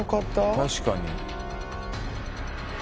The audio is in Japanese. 確かに。